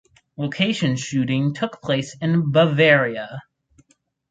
Location shooting took place in Bavaria.